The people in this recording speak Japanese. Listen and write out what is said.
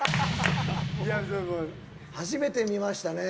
初めて見ましたね。